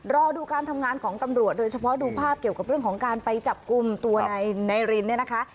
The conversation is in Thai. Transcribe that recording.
รอดูการทำงานของตำรวจโดยเฉพาะดูภาพเกี่ยวกับเรื่องของการไปจับกลุ่มตัวนายรินเนี่ยนะคะ